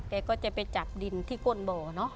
เขาก็จะไปจับดิ้นที่ก้นบ่อ